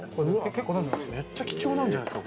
めっちゃ貴重なんじゃないですか？